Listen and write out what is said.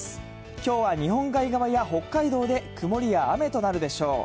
きょうは日本海側や北海道で曇りや雨となるでしょう。